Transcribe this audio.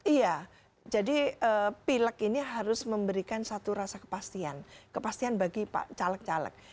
iya jadi pileg ini harus memberikan satu rasa kepastian kepastian bagi pak caleg caleg